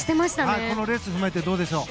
このレースを踏まえてどうでしょうか？